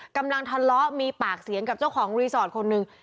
กำลังทะเลาะมีปากเสียงกับเจ้าของรีสอร์ทคนหนึ่ง